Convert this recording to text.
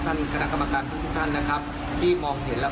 ท่านครกรทุกทุกท่านนะครับที่มองเห็นแล้ว